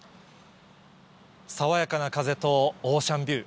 爽やかな風とオーシャンビュー。